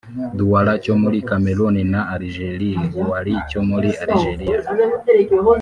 Douala cyo muri Cameroon na Algiers Houari cyo muri Algeriya